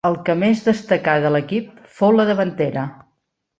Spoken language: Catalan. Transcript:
El que més destacà de l'equip fou la davantera.